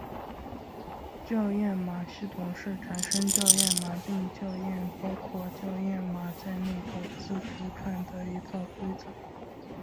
校验码系统是产生校验码并校验包括校验码在内的字符串的一套规则。